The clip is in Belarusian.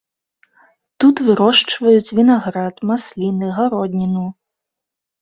Тут вырошчваюць вінаград, масліны, гародніну.